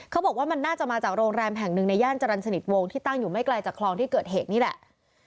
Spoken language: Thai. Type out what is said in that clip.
เขาบอกว่ามันน่าจะมาจากโรงแรมแห่งหนึ่งในย่านจรรย์สนิทวงที่ตั้งอยู่ไม่ไกลจากคลองที่เกิดเหตุนี่แหละ